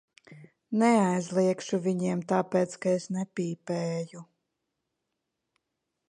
Neaizliegšu viņiem, tāpēc ka es nepīpēju.